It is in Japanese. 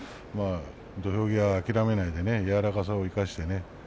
土俵際、諦めないで柔らかさを生かしてね。